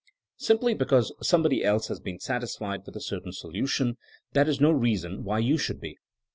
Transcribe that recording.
Simply because somebody else has been satisfied with a certain solution, that is no reason why you should be.